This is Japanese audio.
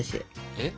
えっ？